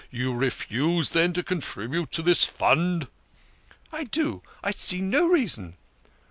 You refuse, then, to contribute to this fund?" " I do, I see no reason."